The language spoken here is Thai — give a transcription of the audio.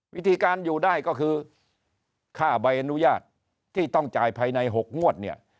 วิธีการอยู่ได้ก็คือค่าใบอนุญาตที่ต้องจ่ายภายใน๖งวดเนี่ย